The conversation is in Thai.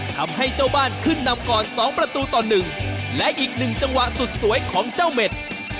ทำให้เจ้าบ้านขึ้นนำก่อน๒ประตูต่อ๑และอีกหนึ่งจังหวะสุดสวยของเจ้าเม็ด